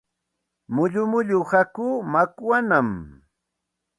Mullu mullu hakuu makwanaami.